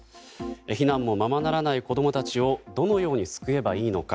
避難もままならない子供たちをどのように救えばいいのか。